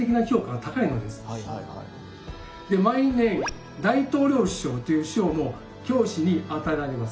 毎年大統領賞という賞も教師に与えられます。